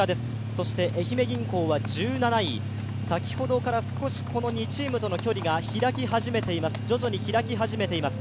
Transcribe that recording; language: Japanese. そして愛媛銀行は１７位、先ほどから少しこの２チームとの距離が徐々に開き始めています。